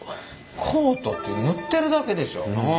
コートって塗ってるだけでしょ。